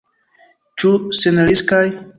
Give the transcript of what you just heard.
Ĉu senriskaj?